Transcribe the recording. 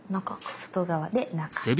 外側で中。